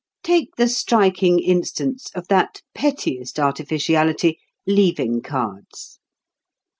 Take the striking instance of that pettiest artificiality, leaving cards.